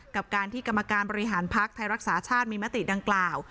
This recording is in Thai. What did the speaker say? กับการที่กรรมการบริหารภักดิ์ไทยรักษาชาติมีมติดังกล่าว